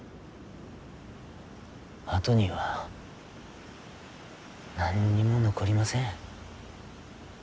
あとにはなんにも残りません。